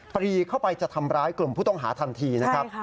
ปรีเข้าไปจะทำร้ายกลุ่มผู้ต้องหาทันทีนะครับ